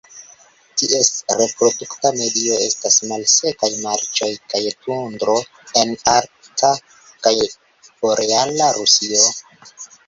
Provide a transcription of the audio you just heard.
Ties reprodukta medio estas malsekaj marĉoj kaj tundro en arkta kaj boreala Rusio.